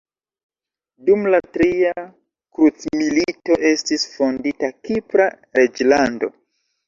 Dum la tria krucmilito estis fondita Kipra reĝlando.